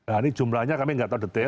nah ini jumlahnya kami nggak tahu detail